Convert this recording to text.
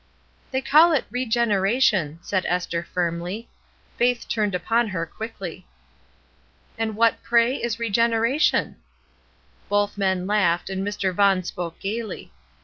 '' "They call it 'regeneration/" said Esther, firmly. Faith turned upon her quickly. "And what, pray, is regeneration?" Both gentlemen laughed, and Mr. Vaughn spoke gayly.